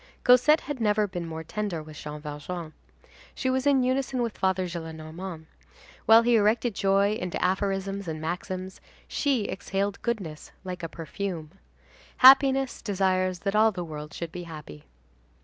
Cosette had never been more tender with Jean Valjean. She was in unison with Father Gillenormand; while he erected joy into aphorisms and maxims, she exhaled goodness like a perfume. Happiness desires that all the world should be happy.